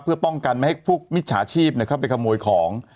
เพื่อป้องกันไม่ให้พวกมิจฉาชีพเข้าไปขโมยของ